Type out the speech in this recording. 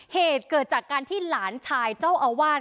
เหตุเกิดจากการที่หลานชายเจ้าอาวาส